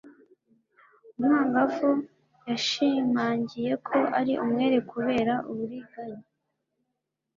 umwangavu yashimangiye ko ari umwere kubera uburiganya